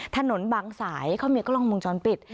ถนนบางสายเขามีกล้องวงจรปิด